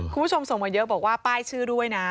คุณผู้ชมส่งมาเยอะบอกว่าป้ายชื่อด้วยนะ